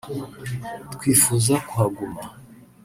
twifuza kuhaguma